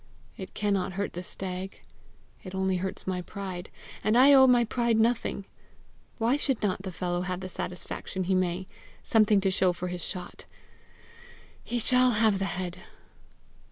It cannot hurt the stag; it only hurts my pride, and I owe my pride nothing! Why should not the fellow have what satisfaction he may something to show for his shot! He shall have the head."